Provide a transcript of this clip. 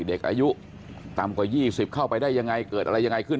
เด็กอายุต่ำกว่า๒๐เข้าไปได้ยังไงเกิดอะไรยังไงขึ้น